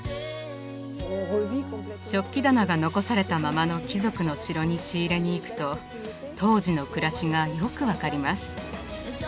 食器棚が残されたままの貴族の城に仕入れに行くと当時の暮らしがよく分かります。